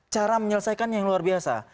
cara menyelesaikannya yang luar biasa